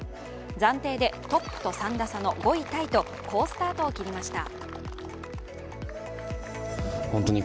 暫定でトップと３打差のトップタイと好スタートを切りました。